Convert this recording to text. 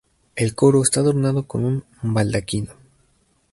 El coro está adornado con un baldaquino.